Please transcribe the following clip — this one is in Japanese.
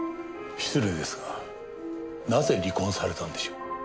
失礼ですがなぜ離婚されたのでしょう。